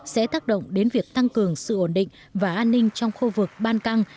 sẽ tác động đến việc tăng cường sự ổn định và an ninh trong khu vực ban căng